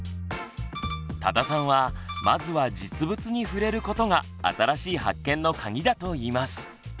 多田さんはまずは実物に触れることが新しい発見のカギだといいます。